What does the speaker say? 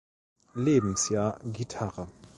Lebensjahr Gitarre.